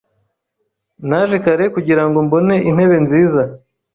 Naje kare kugirango mbone intebe nziza.